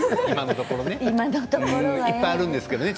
今のところねいっぱいあるんですけれどね。